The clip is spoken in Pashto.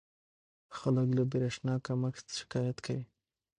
خلک له برېښنا کمښت شکایت کوي.